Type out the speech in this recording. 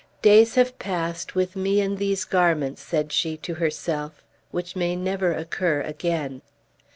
"Days have passed with me in these garments," said she to herself, "which may never occur again!"